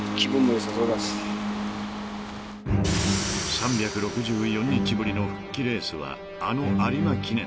［３６４日ぶりの復帰レースはあの有馬記念］